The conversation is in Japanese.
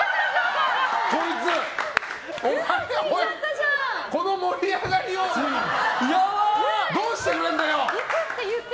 こいつ、この盛り上がりをどうしてくれるんだよ！